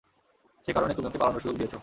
সে কারণে তুমি ওকে পালানোর সুযোগ দিয়েছ।